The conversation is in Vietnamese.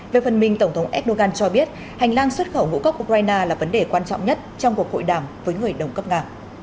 về phần mình tổng thống erdogan cho biết hành lang xuất khẩu ngũ cốc ukraine là vấn đề quan trọng nhất trong cuộc hội đàm với người đồng cấp nga